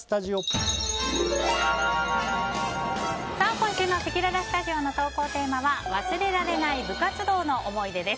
今週のせきららスタジオの投稿テーマは忘れられない部活動の思い出です。